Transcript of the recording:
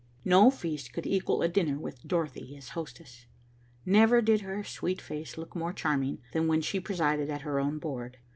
No feast could equal a dinner with Dorothy as hostess. Never did her sweet face look more charming than when she presided at her own board.